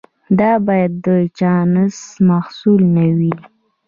دا باید د چانس محصول نه وي.